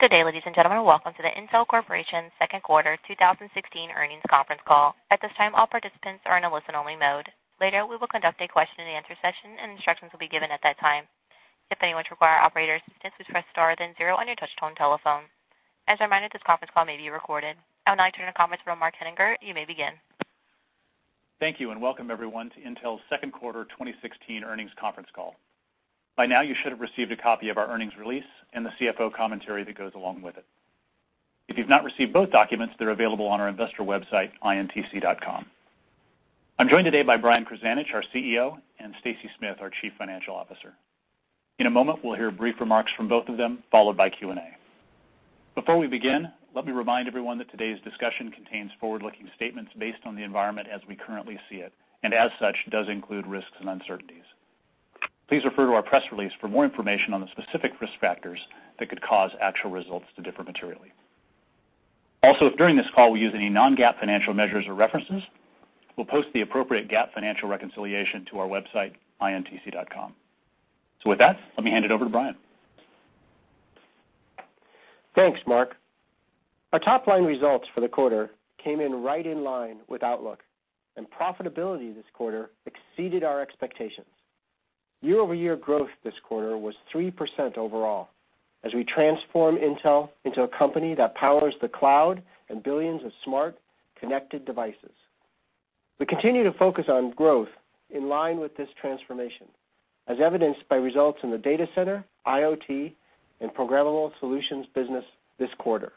Good day, ladies and gentlemen. Welcome to the Intel Corporation second quarter 2016 earnings conference call. At this time, all participants are in a listen-only mode. Later, we will conduct a question-and-answer session, and instructions will be given at that time. If anyone require operator assistance, please press star, then zero on your touch tone telephone. As a reminder, this conference call may be recorded. I would now turn the conference over to Mark Henninger. You may begin. Thank you, and welcome everyone to Intel's second quarter 2016 earnings conference call. By now, you should have received a copy of our earnings release and the CFO commentary that goes along with it. If you've not received both documents, they're available on our investor website, intc.com. I'm joined today by Brian Krzanich, our CEO, and Stacy Smith, our chief financial officer. In a moment, we'll hear brief remarks from both of them, followed by Q&A. Before we begin, let me remind everyone that today's discussion contains forward-looking statements based on the environment as we currently see it, and as such, does include risks and uncertainties. Please refer to our press release for more information on the specific risk factors that could cause actual results to differ materially. Also, if during this call we use any non-GAAP financial measures or references, we'll post the appropriate GAAP financial reconciliation to our website, intc.com. With that, let me hand it over to Brian. Thanks, Mark. Our top-line results for the quarter came in right in line with outlook, and profitability this quarter exceeded our expectations. Year-over-year growth this quarter was 3% overall as we transform Intel into a company that powers the cloud and billions of smart, connected devices. We continue to focus on growth in line with this transformation, as evidenced by results in the data center, IoT, and programmable solutions business this quarter.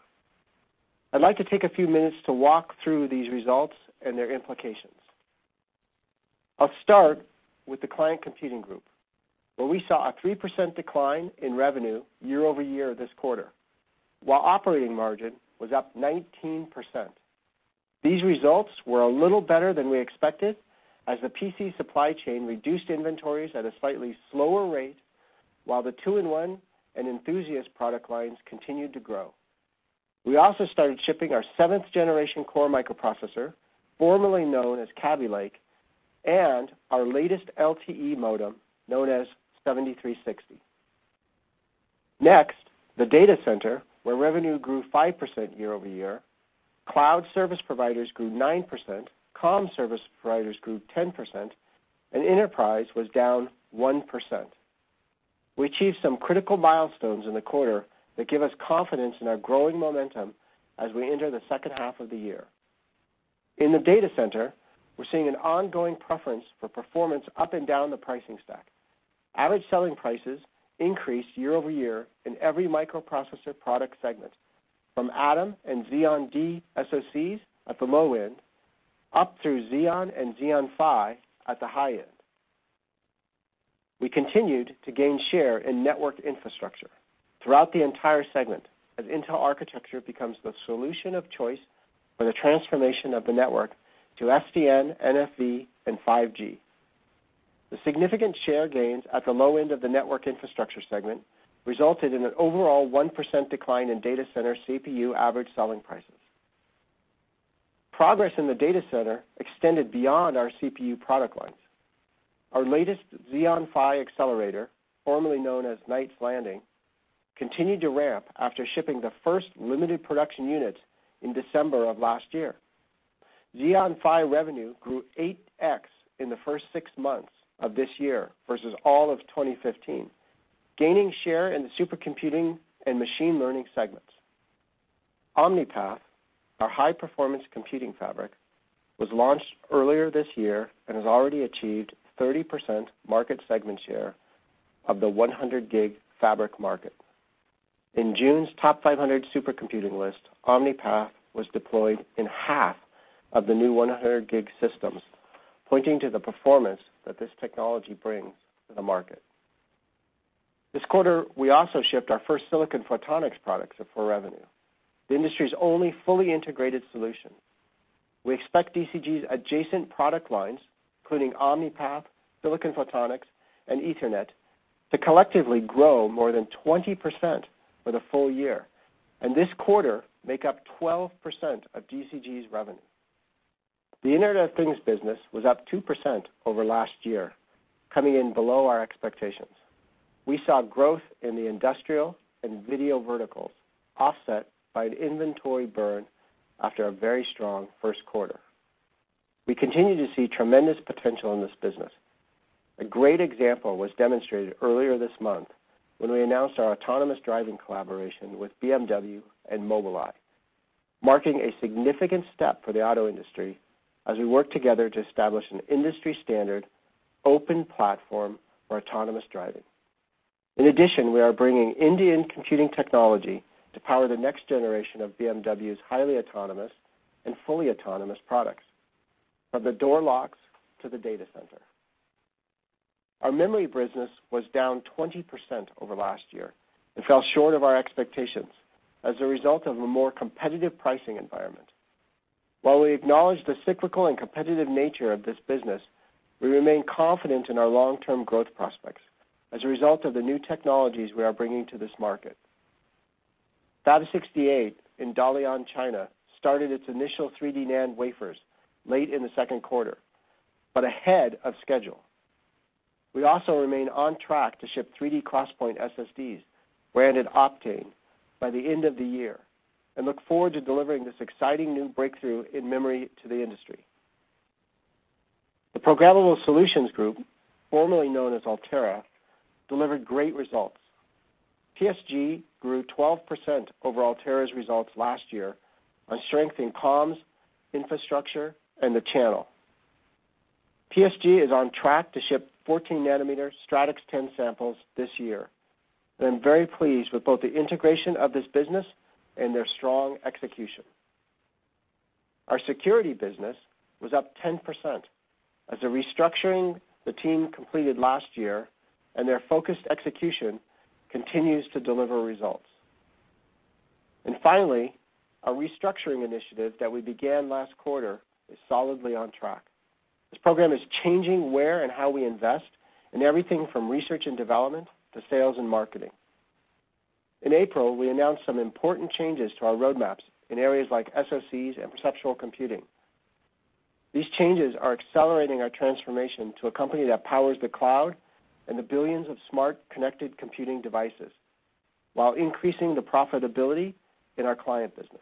I'd like to take a few minutes to walk through these results and their implications. I'll start with the Client Computing Group, where we saw a 3% decline in revenue year-over-year this quarter, while operating margin was up 19%. These results were a little better than we expected as the PC supply chain reduced inventories at a slightly slower rate, while the two-in-one and enthusiast product lines continued to grow. We also started shipping our seventh-generation Core microprocessor, formerly known as Kaby Lake, and our latest LTE modem, known as 7360. Next, the data center, where revenue grew 5% year-over-year. Cloud service providers grew 9%, comm service providers grew 10%, and enterprise was down 1%. We achieved some critical milestones in the quarter that give us confidence in our growing momentum as we enter the second half of the year. In the data center, we're seeing an ongoing preference for performance up and down the pricing stack. Average selling prices increased year-over-year in every microprocessor product segment, from Atom and Xeon D SoCs at the low end, up through Xeon and Xeon Phi at the high end. We continued to gain share in network infrastructure throughout the entire segment as Intel architecture becomes the solution of choice for the transformation of the network to SDN, NFV, and 5G. The significant share gains at the low end of the network infrastructure segment resulted in an overall 1% decline in data center CPU average selling prices. Progress in the data center extended beyond our CPU product lines. Our latest Xeon Phi accelerator, formerly known as Knights Landing, continued to ramp after shipping the first limited production unit in December of last year. Xeon Phi revenue grew 8x in the first six months of this year versus all of 2015, gaining share in the supercomputing and machine learning segments. Omni-Path, our high-performance computing fabric, was launched earlier this year and has already achieved 30% market segment share of the 100G fabric market. In June's TOP500 supercomputing list, Omni-Path was deployed in half of the new 100G systems, pointing to the performance that this technology brings to the market. This quarter, we also shipped our first silicon photonics products for revenue, the industry's only fully integrated solution. We expect DCG's adjacent product lines, including Omni-Path, silicon photonics, and Ethernet, to collectively grow more than 20% for the full year, and this quarter, make up 12% of DCG's revenue. The Internet of Things business was up 2% over last year, coming in below our expectations. We saw growth in the industrial and video verticals offset by an inventory burn after a very strong first quarter. We continue to see tremendous potential in this business. A great example was demonstrated earlier this month when we announced our autonomous driving collaboration with BMW and Mobileye, marking a significant step for the auto industry as we work together to establish an industry-standard open platform for autonomous driving. In addition, we are bringing in-cabin computing technology to power the next generation of BMW's highly autonomous and fully autonomous products, from the door locks to the data center. Our memory business was down 20% over last year and fell short of our expectations as a result of a more competitive pricing environment. While we acknowledge the cyclical and competitive nature of this business, we remain confident in our long-term growth prospects as a result of the new technologies we are bringing to this market. Fab 68 in Dalian, China, started its initial 3D NAND wafers late in the second quarter, but ahead of schedule. We also remain on track to ship 3D XPoint SSDs branded Optane by the end of the year and look forward to delivering this exciting new breakthrough in memory to the industry. The Programmable Solutions Group, formerly known as Altera, delivered great results. PSG grew 12% over Altera's results last year on strength in comms, infrastructure, and the channel. PSG is on track to ship 14 nanometer Stratix 10 samples this year. I'm very pleased with both the integration of this business and their strong execution. Our security business was up 10% as the restructuring the team completed last year, and their focused execution continues to deliver results. Finally, our restructuring initiative that we began last quarter is solidly on track. This program is changing where and how we invest in everything from research and development to sales and marketing. In April, we announced some important changes to our roadmaps in areas like SoCs and perceptual computing. These changes are accelerating our transformation to a company that powers the cloud and the billions of smart connected computing devices while increasing the profitability in our client business.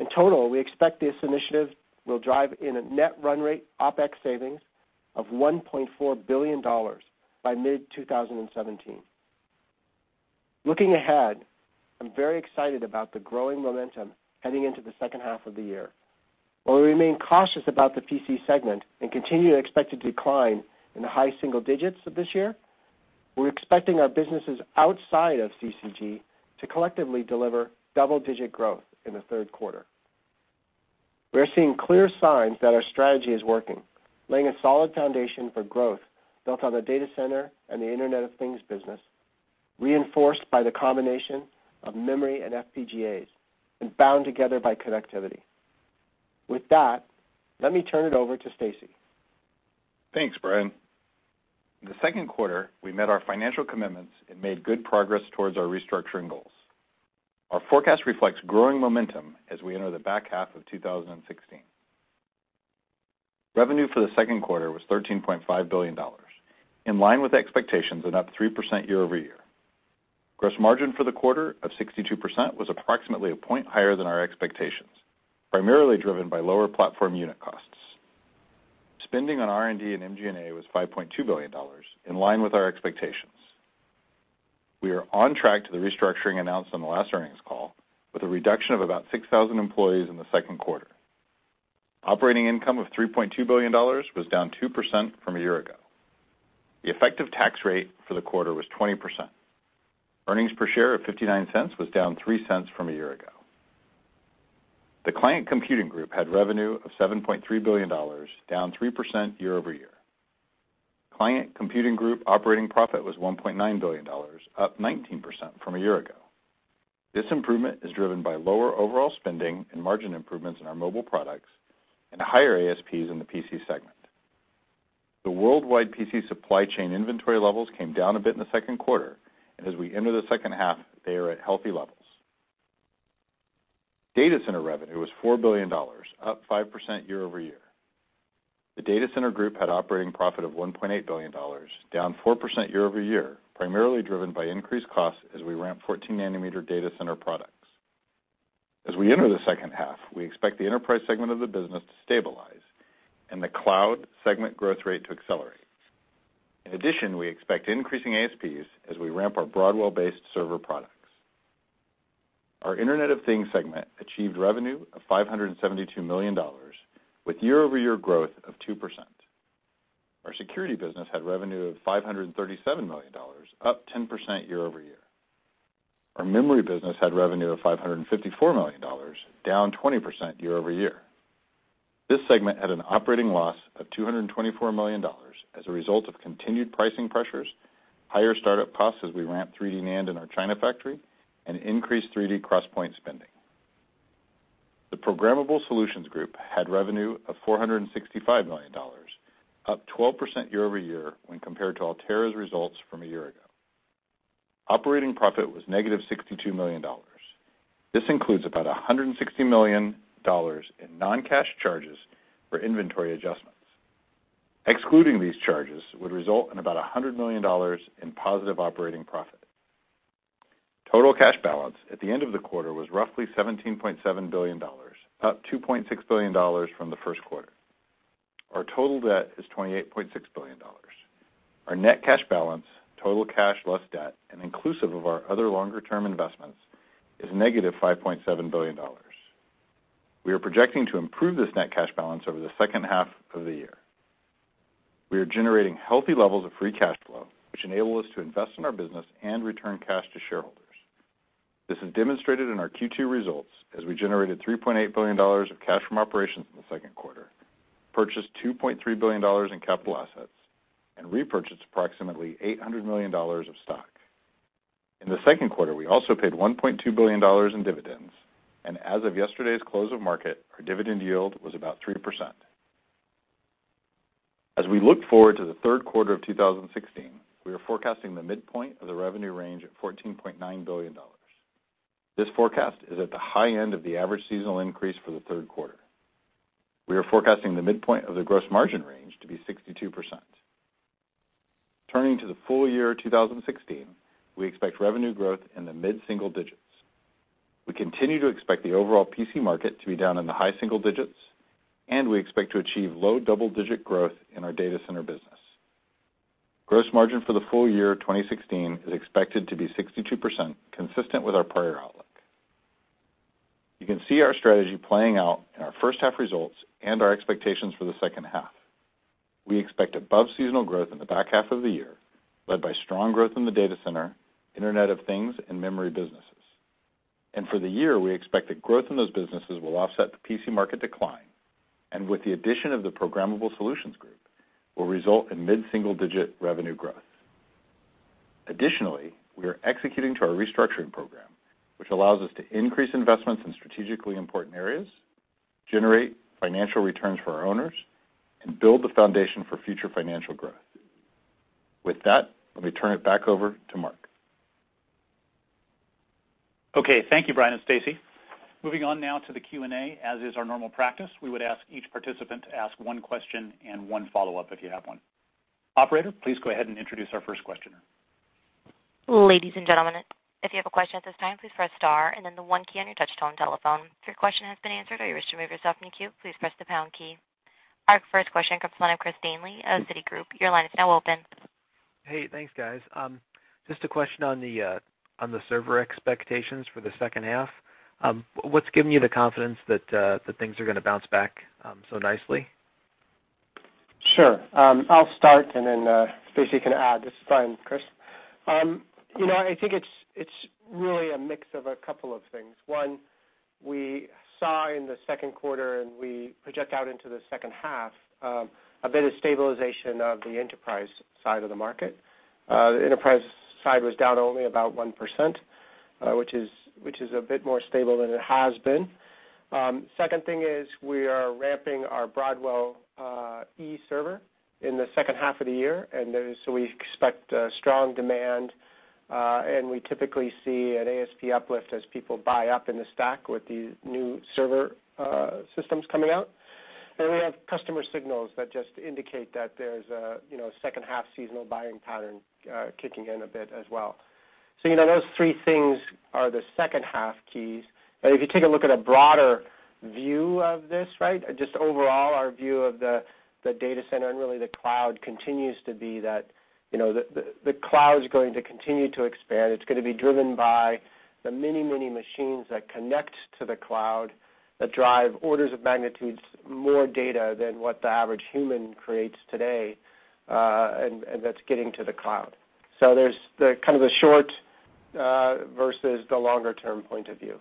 In total, we expect this initiative will drive in a net run rate OPEX savings of $1.4 billion by mid-2017. Looking ahead, I'm very excited about the growing momentum heading into the second half of the year. While we remain cautious about the PC segment and continue to expect a decline in the high single digits of this year, we're expecting our businesses outside of CCG to collectively deliver double-digit growth in the third quarter. We are seeing clear signs that our strategy is working, laying a solid foundation for growth built on the data center and the Internet of Things business, reinforced by the combination of memory and FPGAs, and bound together by connectivity. With that, let me turn it over to Stacy. Thanks, Brian. In the second quarter, we met our financial commitments and made good progress towards our restructuring goals. Our forecast reflects growing momentum as we enter the back half of 2016. Revenue for the second quarter was $13.5 billion, in line with expectations and up 3% year-over-year. Gross margin for the quarter of 62% was approximately a point higher than our expectations, primarily driven by lower platform unit costs. Spending on R&D and MG&A was $5.2 billion, in line with our expectations. We are on track to the restructuring announced on the last earnings call with a reduction of about 6,000 employees in the second quarter. Operating income of $3.2 billion was down 2% from a year ago. The effective tax rate for the quarter was 20%. Earnings per share of $0.59 was down $0.03 from a year ago. The Client Computing Group had revenue of $7.3 billion, down 3% year-over-year. Client Computing Group operating profit was $1.9 billion, up 19% from a year ago. This improvement is driven by lower overall spending and margin improvements in our mobile products and higher ASPs in the PC segment. The worldwide PC supply chain inventory levels came down a bit in the second quarter, and as we enter the second half, they are at healthy levels. Data center revenue was $4 billion, up 5% year-over-year. The Data Center Group had operating profit of $1.8 billion, down 4% year-over-year, primarily driven by increased costs as we ramp 14 nanometer data center products. As we enter the second half, we expect the enterprise segment of the business to stabilize and the cloud segment growth rate to accelerate. In addition, we expect increasing ASPs as we ramp our Broadwell-based server products. Our Internet of Things segment achieved revenue of $572 million with year-over-year growth of 2%. Our security business had revenue of $537 million, up 10% year-over-year. Our memory business had revenue of $554 million, down 20% year-over-year. This segment had an operating loss of $224 million as a result of continued pricing pressures, higher startup costs as we ramp 3D NAND in our China factory, and increased 3D XPoint spending. The Programmable Solutions Group had revenue of $465 million, up 12% year-over-year when compared to Altera's results from a year ago. Operating profit was negative $62 million. This includes about $160 million in non-cash charges for inventory adjustments. Excluding these charges would result in about $100 million in positive operating profit. Total cash balance at the end of the quarter was roughly $17.7 billion, up $2.6 billion from the first quarter. Our total debt is $28.6 billion. Our net cash balance, total cash less debt, and inclusive of our other longer-term investments is negative $5.7 billion. We are projecting to improve this net cash balance over the second half of the year. We are generating healthy levels of free cash flow, which enable us to invest in our business and return cash to shareholders. This is demonstrated in our Q2 results as we generated $3.8 billion of cash from operations in the second quarter, purchased $2.3 billion in capital assets, and repurchased approximately $800 million of stock. In the second quarter, we also paid $1.2 billion in dividends, and as of yesterday's close of market, our dividend yield was about 3%. As we look forward to the third quarter of 2016, we are forecasting the midpoint of the revenue range at $14.9 billion. This forecast is at the high end of the average seasonal increase for the third quarter. We are forecasting the midpoint of the gross margin range to be 62%. Turning to the full year 2016, we expect revenue growth in the mid-single digits. We continue to expect the overall PC market to be down in the high single digits, and we expect to achieve low double-digit growth in our data center business. Gross margin for the full year 2016 is expected to be 62%, consistent with our prior outlook. You can see our strategy playing out in our first half results and our expectations for the second half. We expect above-seasonal growth in the back half of the year, led by strong growth in the data center, Internet of Things, and memory businesses. For the year, we expect that growth in those businesses will offset the PC market decline, and with the addition of the Programmable Solutions Group, will result in mid-single-digit revenue growth. Additionally, we are executing to our restructuring program, which allows us to increase investments in strategically important areas, generate financial returns for our owners, and build the foundation for future financial growth. With that, let me turn it back over to Mark. Okay. Thank you, Brian and Stacy. Moving on now to the Q&A. As is our normal practice, we would ask each participant to ask one question and one follow-up if you have one. Operator, please go ahead and introduce our first questioner. Ladies and gentlemen, if you have a question at this time, please press star and then the one key on your touch-tone telephone. If your question has been answered or you wish to remove yourself from the queue, please press the pound key. Our first question comes from the line of Christopher Danely of Citigroup. Your line is now open. Hey, thanks guys. Just a question on the server expectations for the second half. What's giving you the confidence that things are going to bounce back so nicely? Sure. I'll start, and then Stacy can add. This is Brian, Chris. I think it's really a mix of a couple of things. One, we saw in the second quarter and we project out into the second half, a bit of stabilization of the enterprise side of the market. The enterprise side was down only about 1%, which is a bit more stable than it has been. Second thing is we are ramping our Broadwell-E server in the second half of the year, and so we expect strong demand, and we typically see an ASP uplift as people buy up in the stack with these new server systems coming out. We have customer signals that just indicate that there's a second half seasonal buying pattern kicking in a bit as well. Those three things are the second half keys. If you take a look at a broader view of this, just overall our view of the data center and really the cloud continues to be that the cloud's going to continue to expand. It's going to be driven by the many machines that connect to the cloud, that drive orders of magnitudes more data than what the average human creates today, and that's getting to the cloud. There's the short versus the longer-term point of view.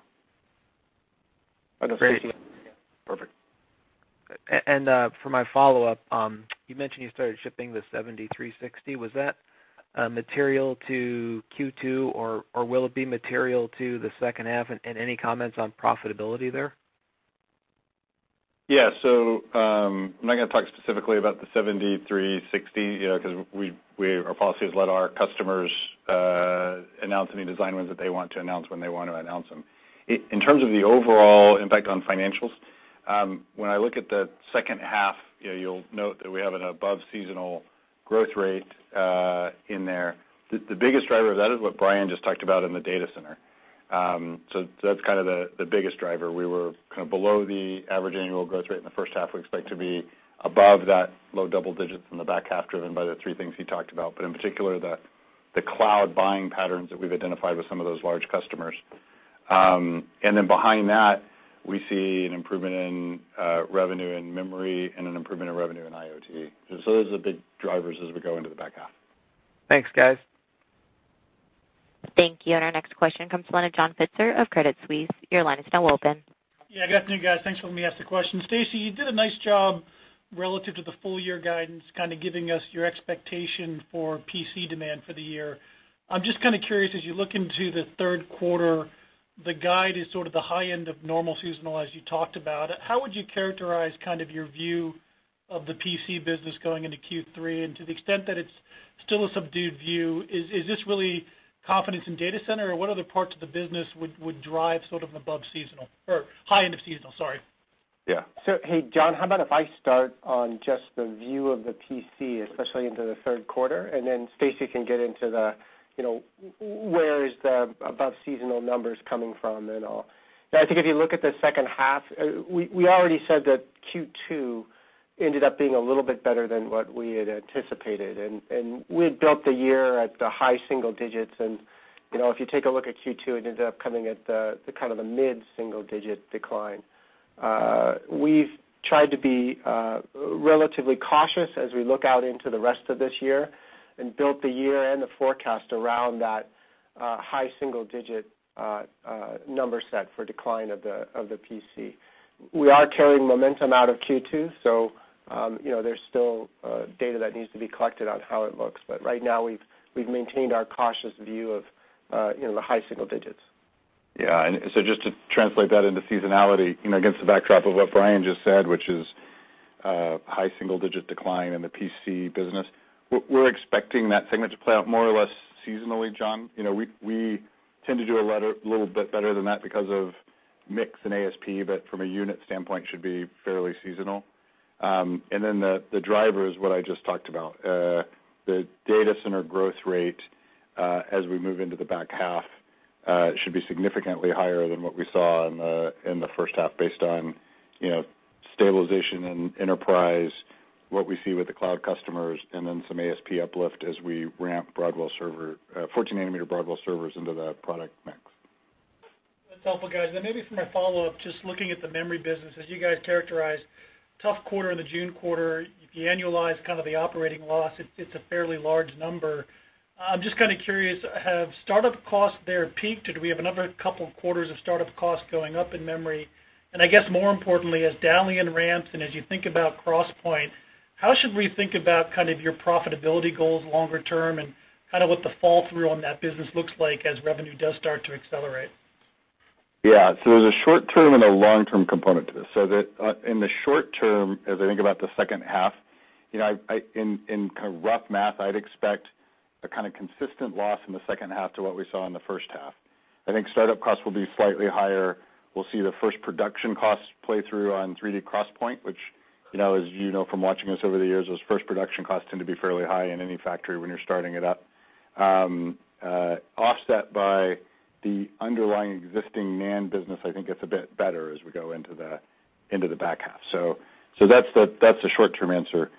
Great. Yeah. Perfect. For my follow-up, you mentioned you started shipping the 7360. Was that material to Q2, or will it be material to the second half, and any comments on profitability there? I'm not going to talk specifically about the 7360, because our policy is let our customers announce any design wins that they want to announce when they want to announce them. In terms of the overall impact on financials, when I look at the second half, you'll note that we have an above-seasonal growth rate in there. The biggest driver of that is what Brian just talked about in the data center. That's the biggest driver. We were below the average annual growth rate in the first half. We expect to be above that low double digits in the back half, driven by the three things he talked about. In particular, the cloud buying patterns that we've identified with some of those large customers. Behind that, we see an improvement in revenue in memory and an improvement in revenue in IoT. Those are the big drivers as we go into the back half. Thanks, guys. Thank you. Our next question comes the line of John Pitzer of Credit Suisse. Your line is now open. Good afternoon, guys. Thanks for letting me ask the question. Stacy, you did a nice job relative to the full year guidance, giving us your expectation for PC demand for the year. I'm just curious, as you look into the third quarter, the guide is sort of the high end of normal seasonal, as you talked about. How would you characterize your view of the PC business going into Q3, and to the extent that it's still a subdued view, is this really confidence in data center, or what other parts of the business would drive above seasonal or high end of seasonal? Sorry. Hey, John, how about if I start on just the view of the PC, especially into the third quarter, then Stacy can get into where is the above-seasonal numbers coming from and all. I think if you look at the second half, we already said that Q2 ended up being a little bit better than what we had anticipated, and we had built the year at the high single digits. If you take a look at Q2, it ended up coming at the mid-single-digit decline. We've tried to be relatively cautious as we look out into the rest of this year and built the year-end forecast around that high single-digit number set for decline of the PC. We are carrying momentum out of Q2, so there's still data that needs to be collected on how it looks. Right now, we've maintained our cautious view of the high single digits. Just to translate that into seasonality against the backdrop of what Brian just said, which is a high single-digit decline in the PC business, we're expecting that segment to play out more or less seasonally, John. We tend to do a little bit better than that because of mix and ASP, but from a unit standpoint, should be fairly seasonal. The driver is what I just talked about. The data center growth rate as we move into the back half should be significantly higher than what we saw in the first half based on stabilization in enterprise, what we see with the cloud customers, and then some ASP uplift as we ramp 14-nanometer Broadwell servers into that product mix. That's helpful, guys. Maybe for my follow-up, just looking at the memory business, as you guys characterized, tough quarter in the June quarter. If you annualize kind of the operating loss, it's a fairly large number. I'm just kind of curious, have startup costs there peaked? Do we have another couple of quarters of startup costs going up in memory? I guess more importantly, as Dalian ramps and as you think about 3D XPoint, how should we think about kind of your profitability goals longer term and kind of what the fall-through on that business looks like as revenue does start to accelerate? There's a short-term and a long-term component to this. In the short term, as I think about the second half, in kind of rough math, I'd expect a kind of consistent loss in the second half to what we saw in the first half. I think startup costs will be slightly higher. We'll see the first production costs play through on 3D XPoint, which as you know from watching us over the years, those first production costs tend to be fairly high in any factory when you're starting it up. Offset by the underlying existing NAND business, I think it's a bit better as we go into the back half. That's the short-term answer.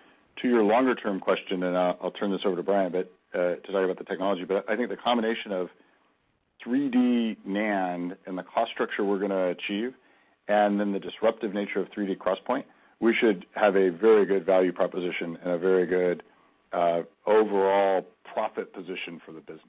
To your longer-term question, I'll turn this over to Brian a bit to talk about the technology, I think the combination of 3D NAND and the cost structure we're going to achieve, then the disruptive nature of 3D XPoint, we should have a very good value proposition and a very good overall profit position for the business.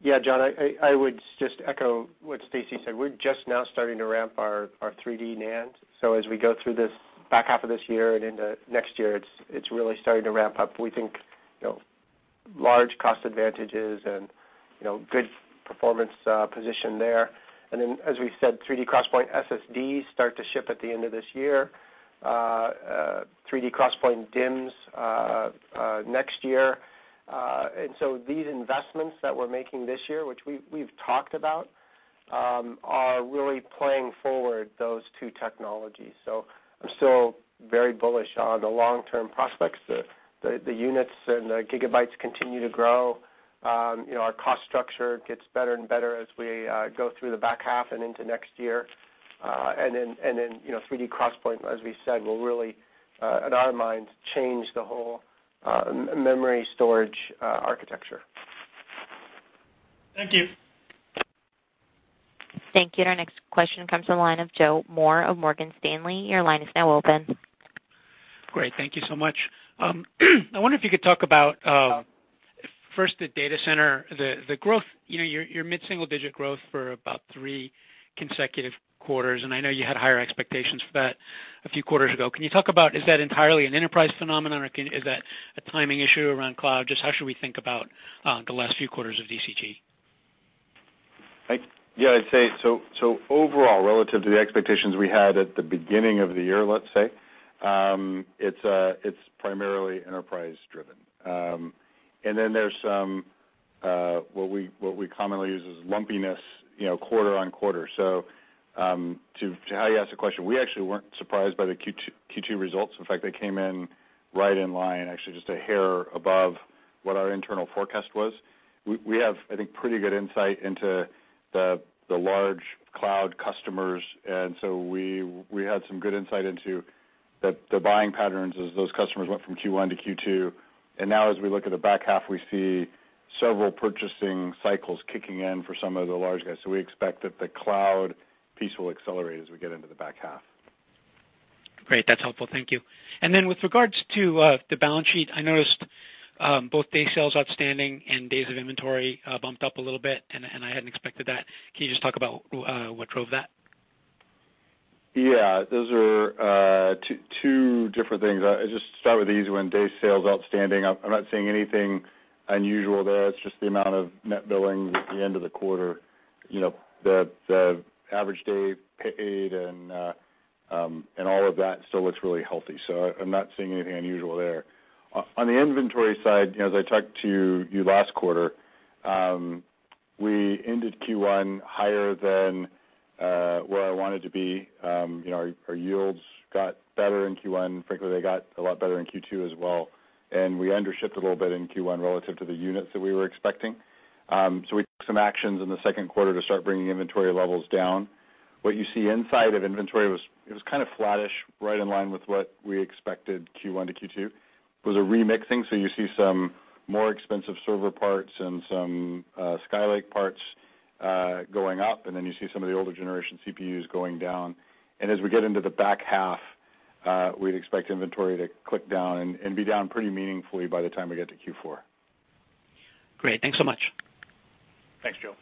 Yeah, John, I would just echo what Stacy said. We're just now starting to ramp our 3D NAND. As we go through this back half of this year and into next year, it's really starting to ramp up. We think large cost advantages and good performance position there. Then, as we said, 3D XPoint SSDs start to ship at the end of this year, 3D XPoint DIMMs next year. These investments that we're making this year, which we've talked about, are really playing forward those two technologies. I'm still very bullish on the long-term prospects. The units and the gigabytes continue to grow. Our cost structure gets better and better as we go through the back half and into next year. Then 3D XPoint, as we said, will really in our minds change the whole memory storage architecture. Thank you. Thank you. Our next question comes from the line of Joseph Moore of Morgan Stanley. Your line is now open. Great. Thank you so much. I wonder if you could talk about first the data center, the growth. You're mid-single-digit growth for about three consecutive quarters, I know you had higher expectations for that a few quarters ago. Can you talk about, is that entirely an enterprise phenomenon, or is that a timing issue around cloud? Just how should we think about the last few quarters of DCG? I'd say so overall, relative to the expectations we had at the beginning of the year, let's say, it's primarily enterprise-driven. There's some, what we commonly use is lumpiness quarter on quarter. To how you asked the question, we actually weren't surprised by the Q2 results. In fact, they came in right in line, actually just a hair above what our internal forecast was. We have, I think, pretty good insight into the large cloud customers, we had some good insight into the buying patterns as those customers went from Q1 to Q2. Now as we look at the back half, we see several purchasing cycles kicking in for some of the large guys. We expect that the cloud piece will accelerate as we get into the back half. Great. That's helpful. Thank you. With regards to the balance sheet, I noticed both day sales outstanding and days of inventory bumped up a little bit, I hadn't expected that. Can you just talk about what drove that? Those are two different things. I'll just start with the easy one, days sales outstanding. I'm not seeing anything unusual there. It's just the amount of net billings at the end of the quarter. The average day paid and all of that still looks really healthy. I'm not seeing anything unusual there. On the inventory side, as I talked to you last quarter, we ended Q1 higher than where I wanted to be. Our yields got better in Q1. Frankly, they got a lot better in Q2 as well, we undershipped a little bit in Q1 relative to the units that we were expecting. We took some actions in the second quarter to start bringing inventory levels down. What you see inside of inventory, it was kind of flattish, right in line with what we expected Q1 to Q2. It was a remixing. You see some more expensive server parts and some Skylake parts going up, and then you see some of the older generation CPUs going down. As we get into the back half, we'd expect inventory to click down and be down pretty meaningfully by the time we get to Q4. Great. Thanks so much. Thanks, Joe.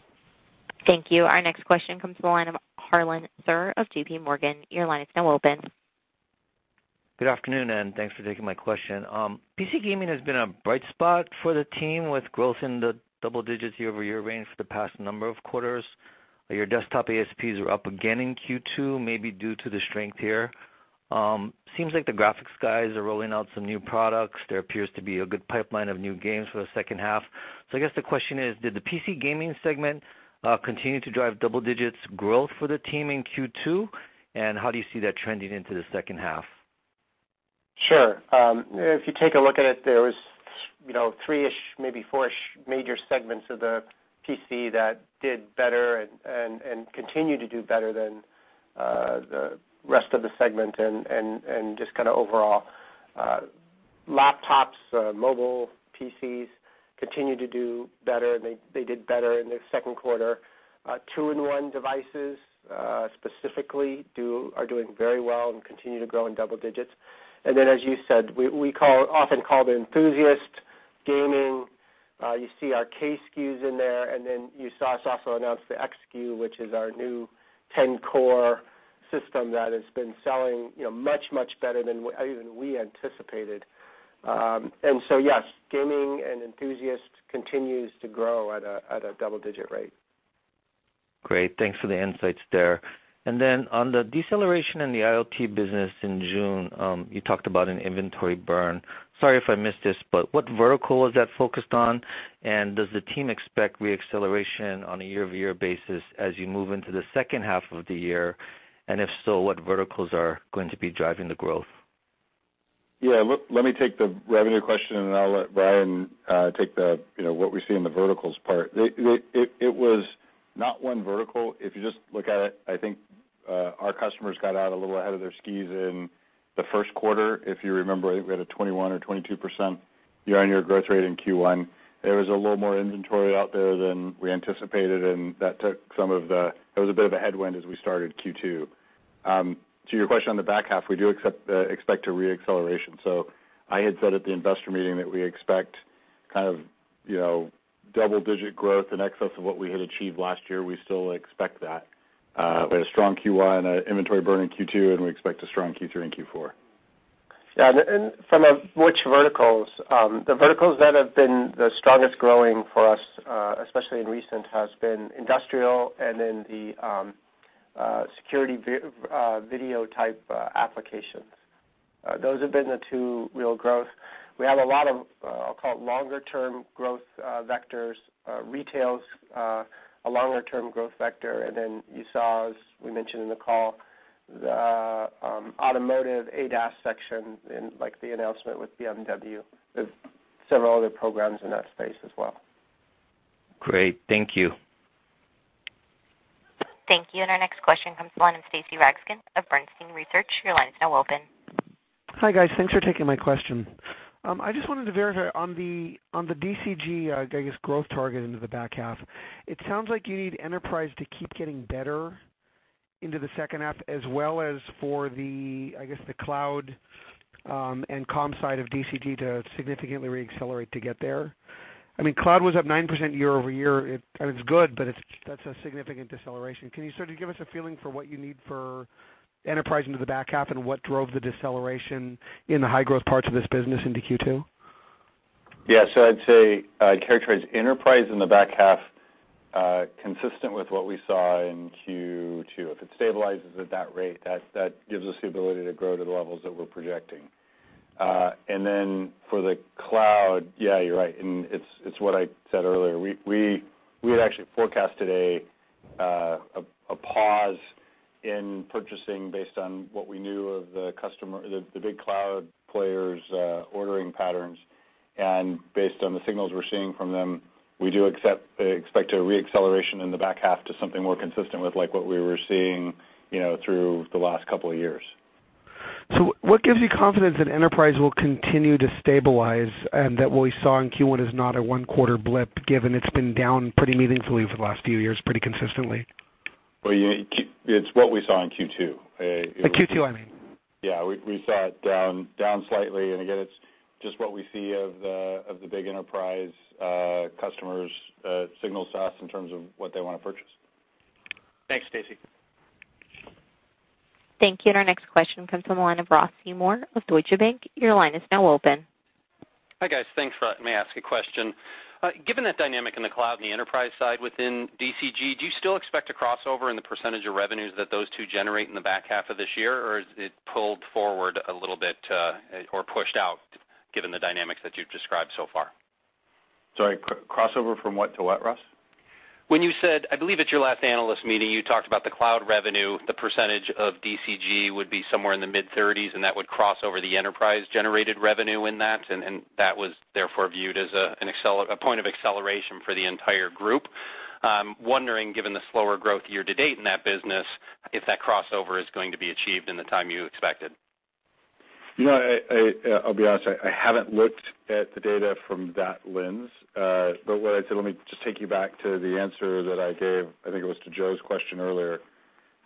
Thank you. Our next question comes from the line of Harlan Sur of J.P. Morgan. Your line is now open. Good afternoon, and thanks for taking my question. PC gaming has been a bright spot for the team with growth in the double-digit year-over-year range for the past number of quarters. Your desktop ASPs are up again in Q2, maybe due to the strength here. Seems like the graphics guys are rolling out some new products. There appears to be a good pipeline of new games for the second half. I guess the question is, did the PC gaming segment continue to drive double-digit growth for the team in Q2? How do you see that trending into the second half? Sure. If you take a look at it, there was three-ish, maybe four-ish major segments of the PC that did better and continue to do better than the rest of the segment and just kind of overall. Laptops, mobile PCs continue to do better, and they did better in the second quarter. Two-in-one devices, specifically, are doing very well and continue to grow in double-digits. As you said, we often call the enthusiast gaming. You see our K SKUs in there, you saw us also announce the X SKU, which is our new 10-core system that has been selling much better than even we anticipated. Yes, gaming and enthusiast continues to grow at a double-digit rate. Great. Thanks for the insights there. On the deceleration in the IoT business in June, you talked about an inventory burn. Sorry if I missed this, what vertical was that focused on? Does the team expect re-acceleration on a year-over-year basis as you move into the second half of the year? If so, what verticals are going to be driving the growth? Yeah. Let me take the revenue question, and I'll let Brian take the what we see in the verticals part. It was not one vertical. If you just look at it, I think our customers got out a little ahead of their skis in the first quarter. If you remember, we had a 21% or 22% year-over-year growth rate in Q1. There was a little more inventory out there than we anticipated, and that took some of the headwind as we started Q2. To your question on the back half, we do expect a re-acceleration. I had said at the investor meeting that we expect double-digit growth in excess of what we had achieved last year. We still expect that. We had a strong Q1, an inventory burn in Q2, we expect a strong Q3 and Q4. From which verticals? The verticals that have been the strongest growing for us, especially in recent, has been industrial and in the security video-type applications. Those have been the 2 real growth. We have a lot of, I'll call it longer-term growth vectors. Retail is a longer-term growth vector. You saw, as we mentioned in the call, the automotive ADAS section in the announcement with BMW. There's several other programs in that space as well. Great. Thank you. Thank you. Our next question comes from the line of Stacy Rasgon of Bernstein Research. Your line is now open. Hi, guys. Thanks for taking my question. I just wanted to verify on the DCG, I guess, growth target into the back half. It sounds like you need enterprise to keep getting better into the second half, as well as for the, I guess, the cloud, and comm side of DCG to significantly re-accelerate to get there. Cloud was up 9% year-over-year. It's good, but that's a significant deceleration. Can you sort of give us a feeling for what you need for enterprise into the back half and what drove the deceleration in the high-growth parts of this business into Q2? Yeah. I'd say I characterize enterprise in the back half consistent with what we saw in Q2. If it stabilizes at that rate, that gives us the ability to grow to the levels that we're projecting. For the cloud, yeah, you're right, and it's what I said earlier. We had actually forecasted a pause in purchasing based on what we knew of the customer, the big cloud players' ordering patterns. Based on the signals we're seeing from them, we do expect a re-acceleration in the back half to something more consistent with what we were seeing through the last couple of years. What gives you confidence that enterprise will continue to stabilize and that what we saw in Q1 is not a one-quarter blip, given it's been down pretty meaningfully for the last few years, pretty consistently? Well, it's what we saw in Q2. In Q2, I mean. Yeah. We saw it down slightly. Again, it's just what we see of the big enterprise customers signal to us in terms of what they want to purchase. Thanks, Stacy. Thank you. Our next question comes from the line of Ross Seymore of Deutsche Bank. Your line is now open. Hi, guys. Thanks for letting me ask a question. Given that dynamic in the cloud and the enterprise side within DCG, do you still expect a crossover in the percentage of revenues that those two generate in the back half of this year? Is it pulled forward a little bit, or pushed out, given the dynamics that you've described so far? Sorry, crossover from what to what, Ross? When you said, I believe at your last analyst meeting, you talked about the cloud revenue, the percentage of DCG would be somewhere in the mid-30s, and that would cross over the enterprise-generated revenue in that, and that was therefore viewed as a point of acceleration for the entire group. I'm wondering, given the slower growth year-to-date in that business, if that crossover is going to be achieved in the time you expected. No, I'll be honest, I haven't looked at the data from that lens. What I said, let me just take you back to the answer that I gave, I think it was to Joe's question earlier,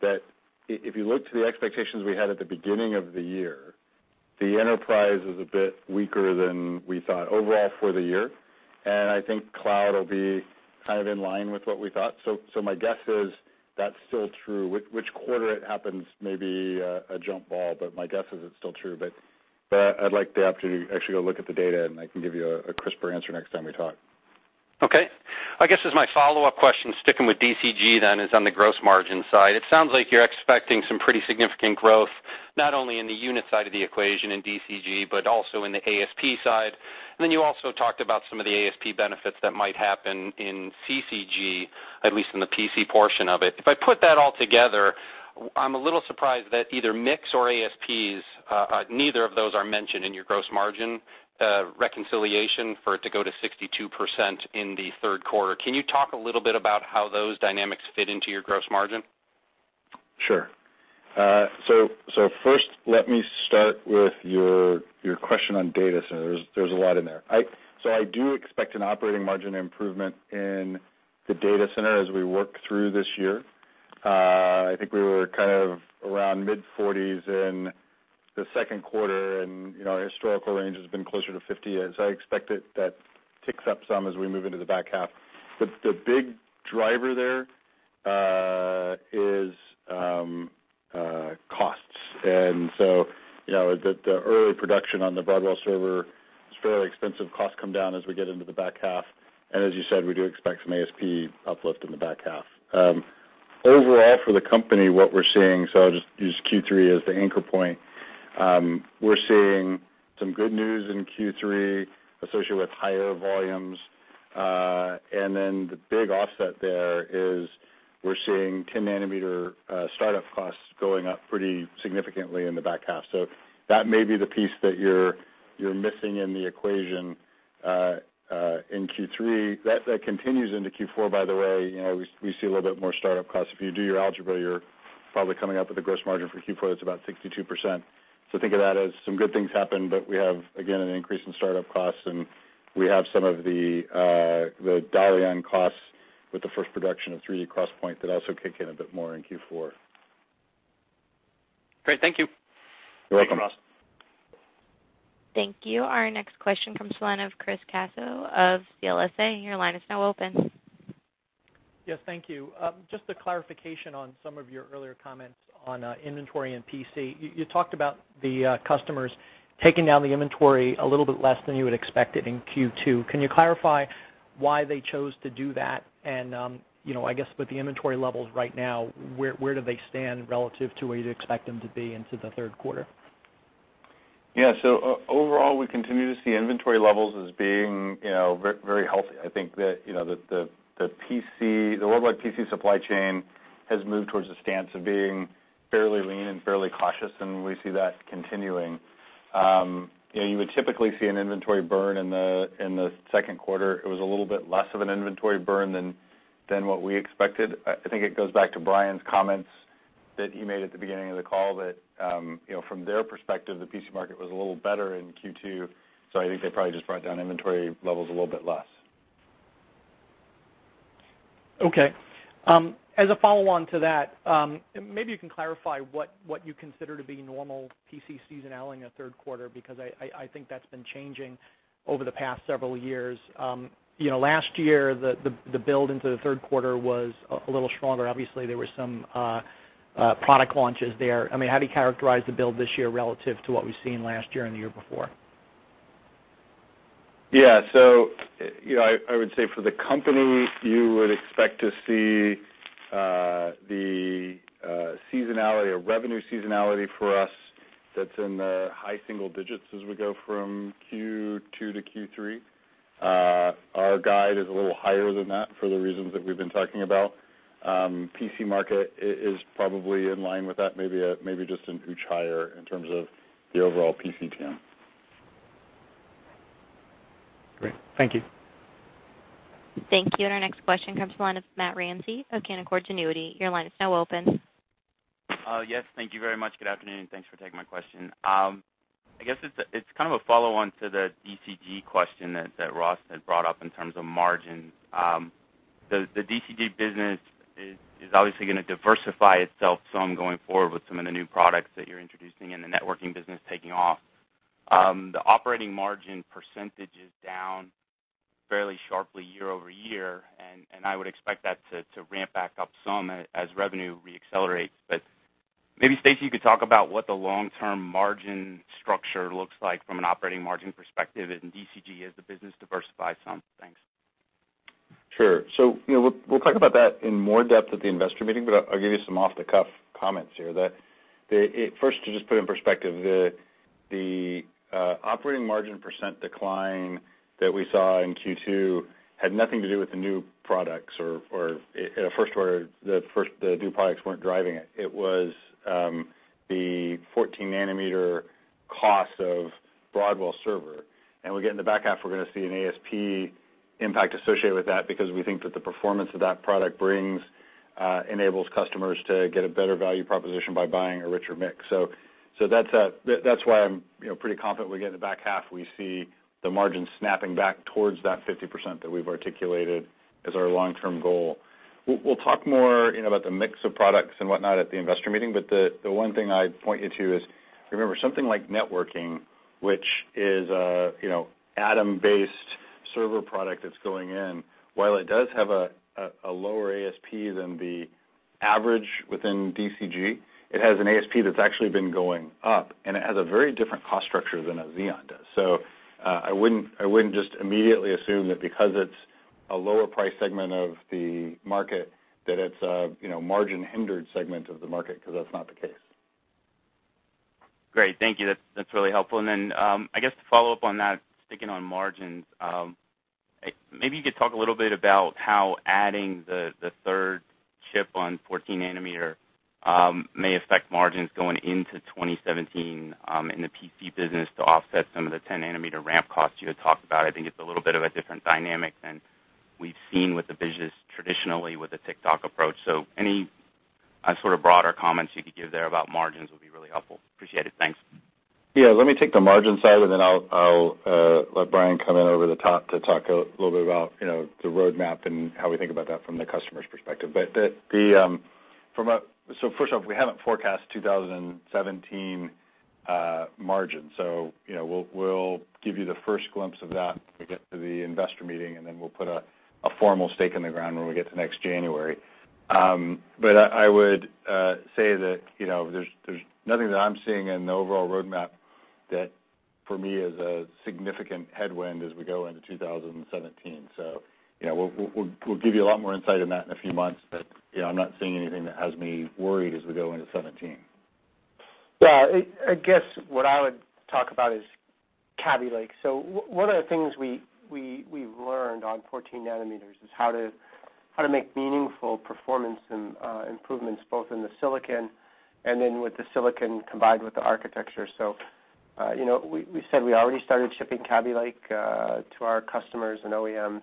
that if you look to the expectations we had at the beginning of the year, the enterprise is a bit weaker than we thought overall for the year. I think cloud will be in line with what we thought. My guess is that's still true. Which quarter it happens may be a jump ball, but my guess is it's still true. I'd like to have to actually go look at the data, and I can give you a crisper answer next time we talk. Okay. I guess as my follow-up question, sticking with DCG then, is on the gross margin side. It sounds like you're expecting some pretty significant growth, not only in the unit side of the equation in DCG, but also in the ASP side. Then you also talked about some of the ASP benefits that might happen in CCG, at least in the PC portion of it. If I put that all together, I'm a little surprised that either mix or ASPs, neither of those are mentioned in your gross margin reconciliation for it to go to 62% in the third quarter. Can you talk a little bit about how those dynamics fit into your gross margin? First let me start with your question on data centers. There's a lot in there. I do expect an operating margin improvement in the data center as we work through this year. I think we were around mid-40s in the second quarter, and our historical range has been closer to 50. As I expect it, that ticks up some as we move into the back half. The big driver there is costs. The early production on the Broadwell server, it's fairly expensive. Costs come down as we get into the back half. As you said, we do expect some ASP uplift in the back half. Overall, for the company, what we're seeing, I'll just use Q3 as the anchor point. We're seeing some good news in Q3 associated with higher volumes. The big offset there is we're seeing 10 nanometer startup costs going up pretty significantly in the back half. That may be the piece that you're missing in the equation in Q3. That continues into Q4, by the way. We see a little bit more startup costs. If you do your algebra, you're probably coming up with a gross margin for Q4 that's about 62%. Think of that as some good things happen, but we have, again, an increase in startup costs, and we have some of the Dalian costs with the first production of 3D XPoint that also kick in a bit more in Q4. Great. Thank you. You're welcome. Thanks, Ross. Thank you. Our next question comes to the line of Chris Caso of CLSA. Your line is now open. Yes, thank you. Just a clarification on some of your earlier comments on inventory and PC. You talked about the customers taking down the inventory a little bit less than you had expected in Q2. Can you clarify why they chose to do that? I guess with the inventory levels right now, where do they stand relative to where you'd expect them to be into the third quarter? Yeah. Overall, we continue to see inventory levels as being very healthy. I think that the worldwide PC supply chain has moved towards a stance of being fairly lean and fairly cautious, and we see that continuing. You would typically see an inventory burn in the second quarter. It was a little bit less of an inventory burn than what we expected. I think it goes back to Brian's comments that he made at the beginning of the call, that, from their perspective, the PC market was a little better in Q2. I think they probably just brought down inventory levels a little bit less. Okay. As a follow-on to that, maybe you can clarify what you consider to be normal PC seasonality in a third quarter, because I think that's been changing over the past several years. Last year, the build into the third quarter was a little stronger. Obviously, there were some product launches there. How do you characterize the build this year relative to what we've seen last year and the year before? Yeah. I would say for the company, you would expect to see the seasonality or revenue seasonality for us that's in the high single digits as we go from Q2 to Q3. Our guide is a little higher than that for the reasons that we've been talking about. PC market is probably in line with that, maybe just an ooch higher in terms of the overall PC TAM. Great. Thank you. Thank you. Our next question comes to the line of Matt Ramsay of Canaccord Genuity. Your line is now open. Yes. Thank you very much. Good afternoon. Thanks for taking my question. I guess it's kind of a follow-on to the DCG question that Ross had brought up in terms of margin. The DCG business is obviously going to diversify itself some going forward with some of the new products that you're introducing and the networking business taking off. The operating margin percentage is down fairly sharply year-over-year, I would expect that to ramp back up some as revenue re-accelerates. Maybe, Stacy, you could talk about what the long-term margin structure looks like from an operating margin perspective in DCG as the business diversifies some. Thanks. Sure. We'll talk about that in more depth at the investor meeting, but I'll give you some off-the-cuff comments here. First, to just put it in perspective, the operating margin percent decline that we saw in Q2 had nothing to do with the new products, or the first order, the new products weren't driving it. It was the 14-nanometer cost of Broadwell server. We get in the back half, we're going to see an ASP impact associated with that because we think that the performance that that product brings enables customers to get a better value proposition by buying a richer mix. That's why I'm pretty confident when we get in the back half, we see the margin snapping back towards that 50% that we've articulated as our long-term goal. We'll talk more about the mix of products and whatnot at the investor meeting, but the one thing I'd point you to is, remember, something like networking, which is Atom-based server product that's going in, while it does have a lower ASP than the average within DCG, it has an ASP that's actually been going up, and it has a very different cost structure than a Xeon does. I wouldn't just immediately assume that because it's a lower price segment of the market, that it's a margin-hindered segment of the market, because that's not the case. Great. Thank you. That's really helpful. I guess to follow up on that, sticking on margins, maybe you could talk a little bit about how adding the third chip on 14-nanometer may affect margins going into 2017, in the PC business to offset some of the 10-nanometer ramp costs you had talked about. I think it's a little bit of a different dynamic than we've seen with the business traditionally with the tick-tock approach. Any sort of broader comments you could give there about margins would be really helpful. Appreciate it. Thanks. Yeah. Let me take the margin side, and then I'll let Brian come in over the top to talk a little bit about the roadmap and how we think about that from the customer's perspective. First off, we haven't forecast 2017 margins, so we'll give you the first glimpse of that when we get to the investor meeting, and then we'll put a formal stake in the ground when we get to next January. I would say that there's nothing that I'm seeing in the overall roadmap that for me is a significant headwind as we go into 2017. We'll give you a lot more insight on that in a few months, but I'm not seeing anything that has me worried as we go into 2017. Yeah. I guess what I would talk about is Kaby Lake. One of the things we've learned on 14 nanometers is how to make meaningful performance improvements both in the silicon and then with the silicon combined with the architecture. We said we already started shipping Kaby Lake to our customers and OEMs.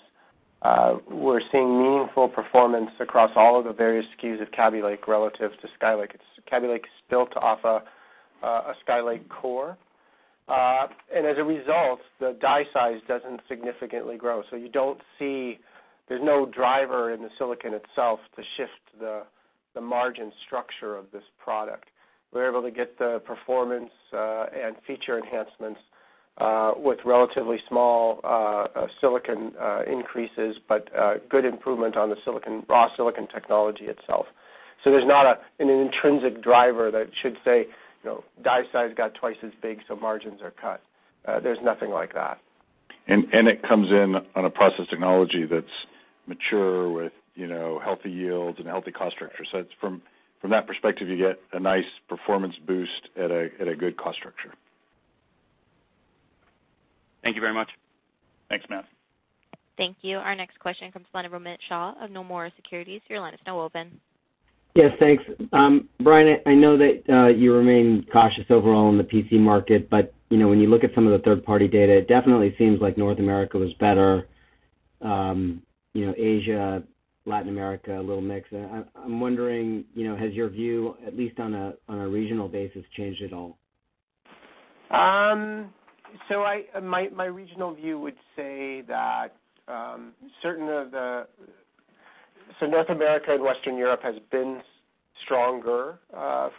We're seeing meaningful performance across all of the various SKUs of Kaby Lake relative to Skylake. Kaby Lake is built off a Skylake core. As a result, the die size doesn't significantly grow. There's no driver in the silicon itself to shift the margin structure of this product. We're able to get the performance, and feature enhancements, with relatively small silicon increases, but good improvement on the raw silicon technology itself. There's not an intrinsic driver that should say, "Die size got twice as big, so margins are cut." There's nothing like that. It comes in on a process technology that's mature with healthy yields and healthy cost structure. From that perspective, you get a nice performance boost at a good cost structure. Thank you very much. Thanks, Matt. Thank you. Our next question comes from line Romit Shah of Nomura Securities. Your line is now open. Yes, thanks. Brian, I know that you remain cautious overall in the PC market, when you look at some of the third-party data, it definitely seems like North America was better. Asia, Latin America, a little mix. I'm wondering, has your view, at least on a regional basis, changed at all? my regional view would say that North America and Western Europe has been stronger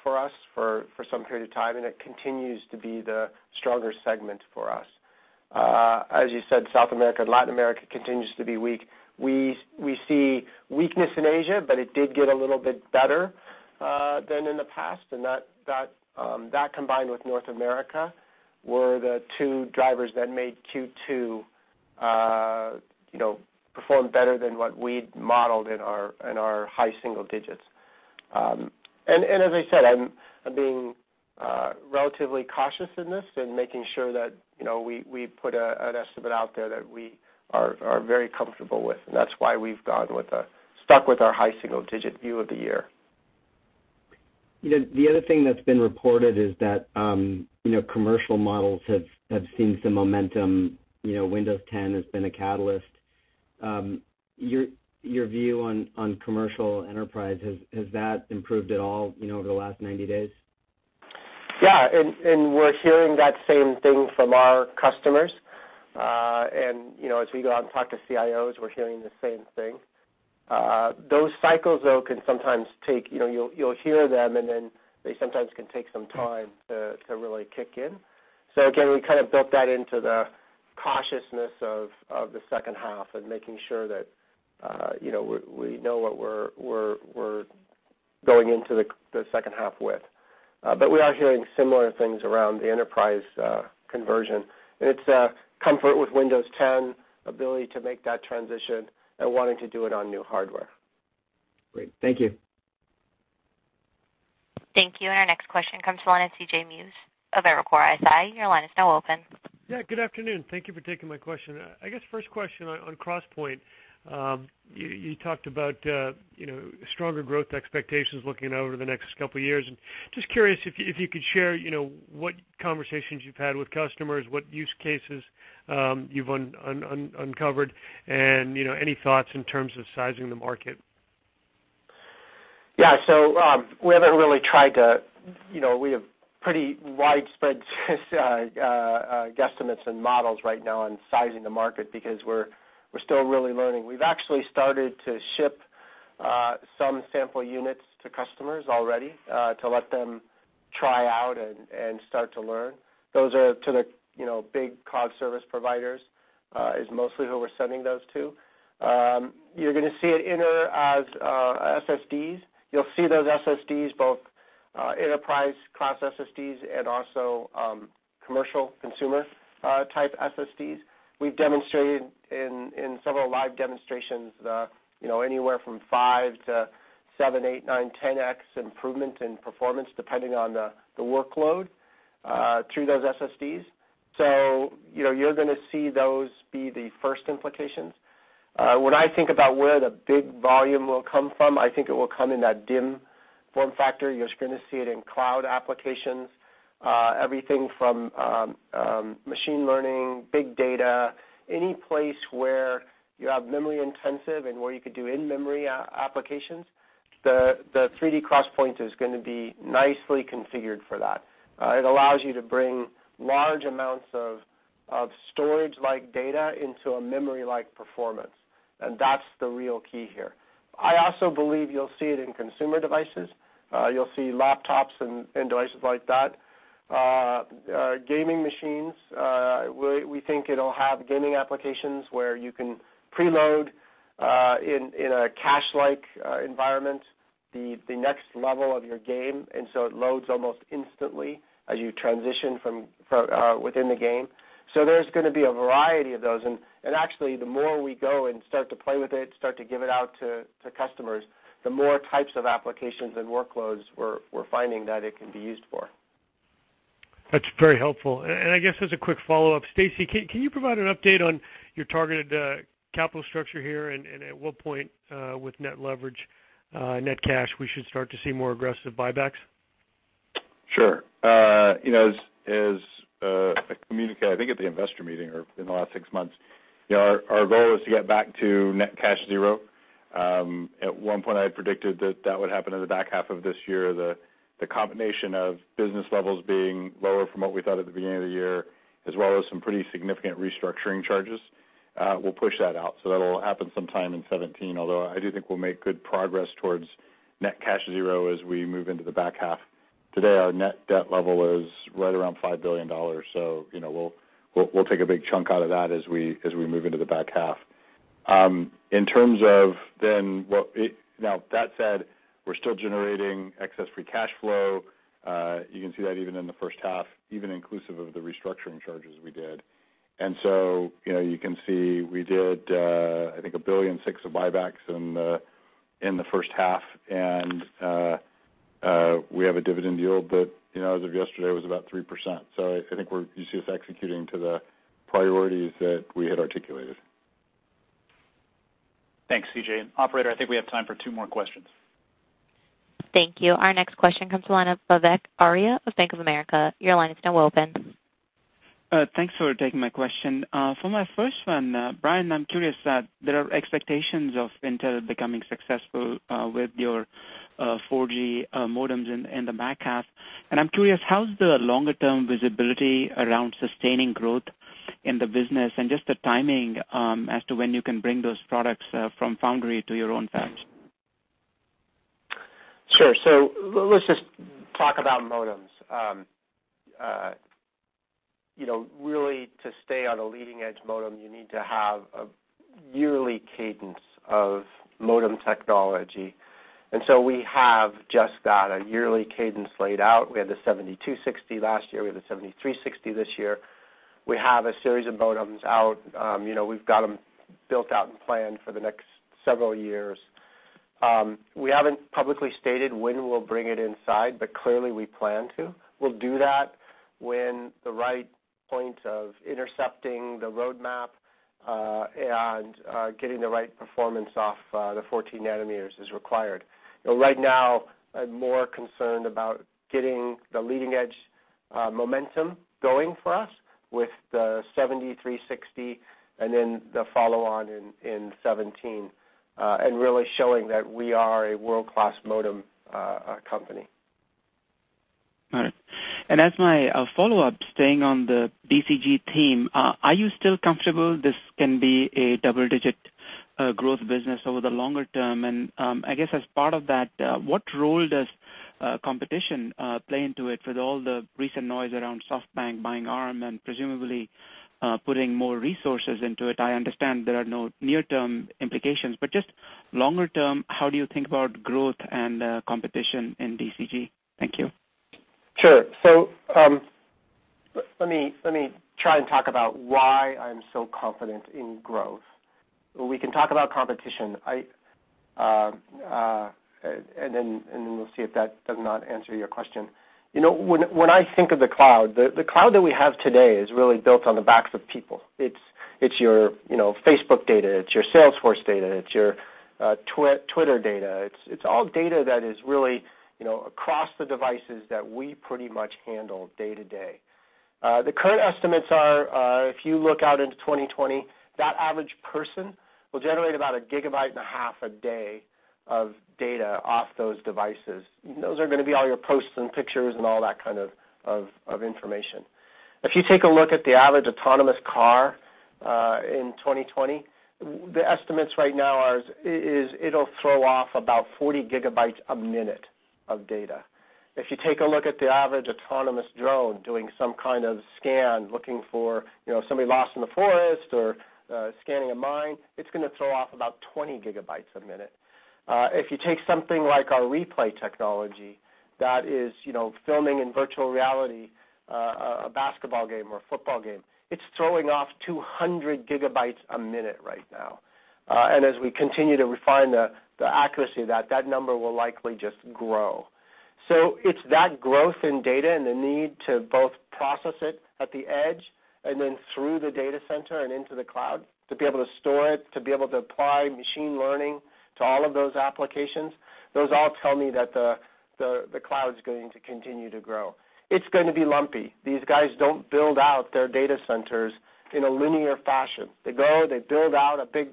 for us for some period of time, and it continues to be the stronger segment for us. As you said, South America and Latin America continues to be weak. We see weakness in Asia, but it did get a little bit better than in the past, and that combined with North America were the two drivers that made Q2 perform better than what we'd modeled in our high single digits. As I said, I'm being relatively cautious in this and making sure that we put an estimate out there that we are very comfortable with, and that's why we've stuck with our high single-digit view of the year. The other thing that's been reported is that commercial models have seen some momentum. Windows 10 has been a catalyst. Your view on commercial enterprise, has that improved at all over the last 90 days? Yeah. we're hearing that same thing from our customers. As we go out and talk to CIOs, we're hearing the same thing. Those cycles, though, can sometimes take-- You'll hear them, and then they sometimes can take some time to really kick in. again, we kind of built that into the cautiousness of the second half and making sure that we know what we're going into the second half with. we are hearing similar things around the enterprise conversion. it's a comfort with Windows 10, ability to make that transition, and wanting to do it on new hardware. Great. Thank you. Thank you. Our next question comes from the line of C.J. Muse of Evercore ISI. Your line is now open. Yeah, good afternoon. Thank you for taking my question. I guess first question on XPoint. You talked about stronger growth expectations looking out over the next couple of years, and just curious if you could share what conversations you've had with customers, what use cases you've uncovered, and any thoughts in terms of sizing the market. Yeah. We have pretty widespread guesstimates and models right now on sizing the market because we're still really learning. We've actually started to ship some sample units to customers already, to let them try out and start to learn. Those are to the big cloud service providers, is mostly who we're sending those to. You're going to see it enter as SSDs. You'll see those SSDs, both enterprise class SSDs and also commercial consumer-type SSDs. We've demonstrated in several live demonstrations, anywhere from 5 to 7, 8, 9, 10x improvement in performance depending on the workload, through those SSDs. You're going to see those be the first implications. When I think about where the big volume will come from, I think it will come in that DIMM form factor. You're just going to see it in cloud applications. Everything from machine learning, big data, any place where you have memory intensive and where you could do in-memory applications, the 3D XPoint is going to be nicely configured for that. It allows you to bring large amounts of storage-like data into a memory-like performance. That's the real key here. I also believe you'll see it in consumer devices. You'll see laptops and devices like that. Gaming machines, we think it'll have gaming applications where you can preload, in a cache-like environment, the next level of your game. It loads almost instantly as you transition within the game. There's going to be a variety of those, and actually, the more we go and start to play with it, start to give it out to customers, the more types of applications and workloads we're finding that it can be used for. That's very helpful. I guess as a quick follow-up, Stacy, can you provide an update on your targeted capital structure here and at what point with net leverage, net cash, we should start to see more aggressive buybacks? Sure. As I communicated, I think at the investor meeting or in the last six months, our goal is to get back to net cash zero. At one point, I had predicted that that would happen in the back half of this year. The combination of business levels being lower from what we thought at the beginning of the year, as well as some pretty significant restructuring charges, will push that out. That'll happen sometime in 2017, although I do think we'll make good progress towards net cash zero as we move into the back half. Today, our net debt level is right around $5 billion. We'll take a big chunk out of that as we move into the back half. That said, we're still generating excess free cash flow. You can see that even in the first half, even inclusive of the restructuring charges we did. You can see we did, I think, $1.6 billion of buybacks in the first half. We have a dividend yield that, as of yesterday, was about 3%. I think you see us executing to the priorities that we had articulated. Thanks, C.J. Operator, I think we have time for two more questions. Thank you. Our next question comes the line of Vivek Arya of Bank of America. Your line is now open. Thanks for taking my question. For my first one, Brian, I'm curious that there are expectations of Intel becoming successful with your 4G modems in the back half. I'm curious, how's the longer-term visibility around sustaining growth in the business, and just the timing as to when you can bring those products from foundry to your own fabs? Sure. Let's just talk about modems. Really, to stay on a leading-edge modem, you need to have a yearly cadence of modem technology. We have just got a yearly cadence laid out. We had the 7260 last year, we have the 7360 this year. We have a series of modems out. We've got them built out and planned for the next several years. We haven't publicly stated when we'll bring it inside, clearly, we plan to. We'll do that when the right point of intercepting the roadmap, and getting the right performance off the 14 nanometers is required. Right now, I'm more concerned about getting the leading-edge momentum going for us with the 7360 and then the follow-on in 2017, really showing that we are a world-class modem company. Got it. As my follow-up, staying on the DCG team, are you still comfortable this can be a double-digit growth business over the longer term? I guess as part of that, what role does competition play into it with all the recent noise around SoftBank buying Arm and presumably putting more resources into it? I understand there are no near-term implications, just longer term, how do you think about growth and competition in DCG? Thank you. Sure. Let me try and talk about why I'm so confident in growth. We can talk about competition, and then we'll see if that does not answer your question. When I think of the cloud, the cloud that we have today is really built on the backs of people. It's your Facebook data, it's your Salesforce data, it's your Twitter data. It's all data that is really across the devices that we pretty much handle day to day. The current estimates are, if you look out into 2020, that average person will generate about a gigabyte and a half a day of data off those devices. Those are going to be all your posts and pictures and all that kind of information. If you take a look at the average autonomous car in 2020, the estimates right now is it'll throw off about 40 gigabytes a minute of data. If you take a look at the average autonomous drone doing some kind of scan, looking for somebody lost in the forest or scanning a mine, it's going to throw off about 20 gigabytes a minute. If you take something like our Replay Technologies, that is filming in virtual reality a basketball game or a football game, it's throwing off 200 gigabytes a minute right now. As we continue to refine the accuracy of that number will likely just grow. It's that growth in data and the need to both process it at the edge and then through the data center and into the cloud to be able to store it, to be able to apply machine learning to all of those applications. Those all tell me that the cloud's going to continue to grow. It's going to be lumpy. These guys don't build out their data centers in a linear fashion. They go, they build out a big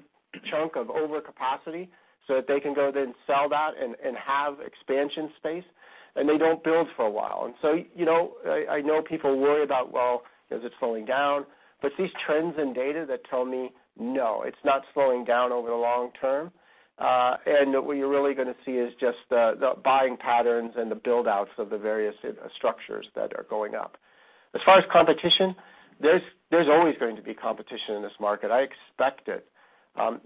chunk of over capacity so that they can go then sell that and have expansion space, and they don't build for a while. I know people worry about, well, is it slowing down? It's these trends in data that tell me, no, it's not slowing down over the long term. What you're really going to see is just the buying patterns and the build-outs of the various structures that are going up. As far as competition, there's always going to be competition in this market. I expect it.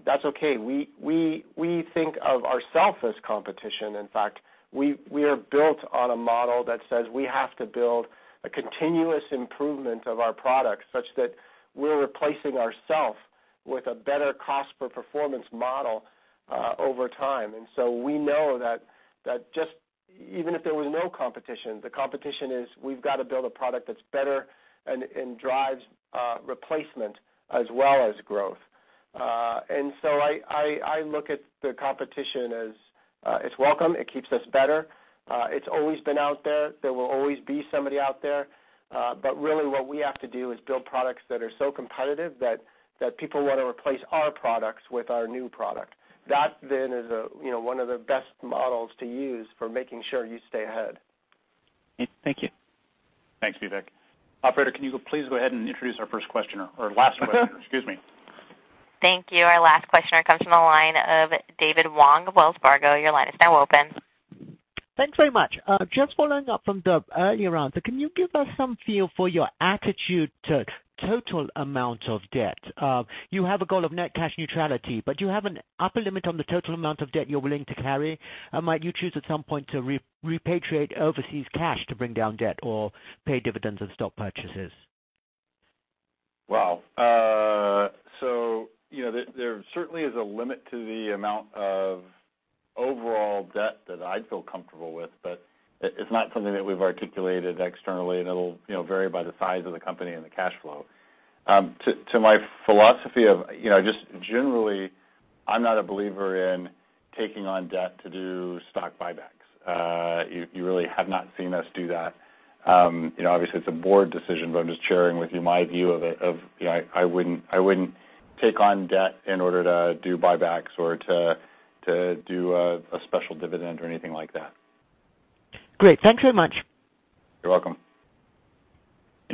That's okay. We think of ourself as competition. In fact, we are built on a model that says we have to build a continuous improvement of our product, such that we're replacing ourself with a better cost per performance model over time. We know that just even if there was no competition, the competition is we've got to build a product that's better and drives replacement as well as growth. I look at the competition as it's welcome. It keeps us better. It's always been out there. There will always be somebody out there. Really what we have to do is build products that are so competitive that people want to replace our products with our new product. That then is one of the best models to use for making sure you stay ahead. Thank you. Thanks, Vivek. Operator, can you please go ahead and introduce our first questioner, or last questioner, excuse me. Thank you. Our last questioner comes from the line of David Wong, Wells Fargo. Your line is now open. Thanks very much. Just following up from the earlier answer, can you give us some feel for your attitude to total amount of debt? You have a goal of net cash neutrality, but do you have an upper limit on the total amount of debt you're willing to carry? Might you choose at some point to repatriate overseas cash to bring down debt or pay dividends and stock purchases? There certainly is a limit to the amount of overall debt that I'd feel comfortable with, but it's not something that we've articulated externally, and it'll vary by the size of the company and the cash flow. To my philosophy of just generally, I'm not a believer in taking on debt to do stock buybacks. You really have not seen us do that. Obviously, it's a board decision, but I'm just sharing with you my view of it, of I wouldn't take on debt in order to do buybacks or to do a special dividend or anything like that. Great. Thanks very much. You're welcome.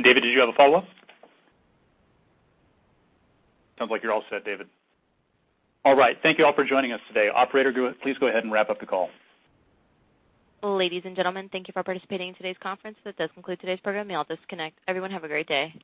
David, did you have a follow-up? Sounds like you're all set, David. All right. Thank you all for joining us today. Operator, please go ahead and wrap up the call. Ladies and gentlemen, thank you for participating in today's conference. That does conclude today's program. You may all disconnect. Everyone, have a great day.